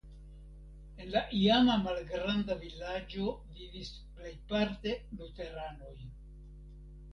En la iama malgranda vilaĝo vivis plejparte luteranoj.